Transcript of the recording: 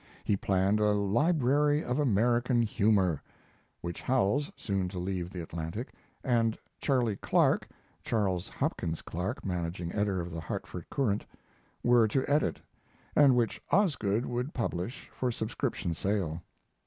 He planned a 'Library of American Humor', which Howells (soon to leave the Atlantic) and "Charley" Clark [Charles Hopkins Clark, managing editor of the Hartford Courant.] were to edit, and which Osgood would publish, for subscription sale.